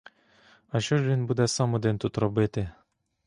А що ж він буде сам-один тут робити?